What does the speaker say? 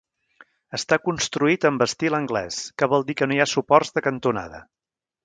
Està construït amb estil anglès, que vol dir que no hi ha suports de cantonada.